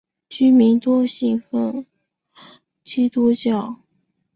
居民多信奉基督教。